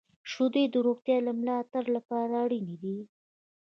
• شیدې د روغتیا د ملاتړ لپاره اړینې دي.